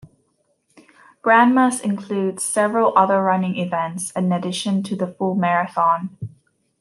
Grandma's includes several other running events in addition to the full marathon.